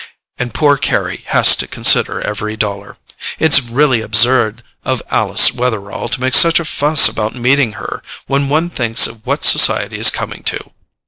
And poor Carry has to consider every dollar. It's really absurd of Alice Wetherall to make such a fuss about meeting her, when one thinks of what society is coming to.